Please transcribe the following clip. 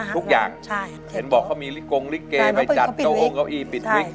ทุกอย่างเห็นบอกเขามีลิกงลิเกไปจัดเก้าองเก้าอี้ปิดวิก